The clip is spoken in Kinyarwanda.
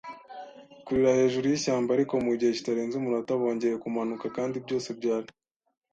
kurira hejuru yishyamba, ariko mugihe kitarenze umunota bongeye kumanuka kandi byose byari